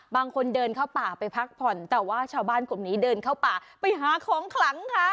บางคนเดินเข้าป่าไปพักผ่อนแต่ว่าชาวบ้านกลุ่มนี้เดินเข้าป่าไปหาของขลังค่ะ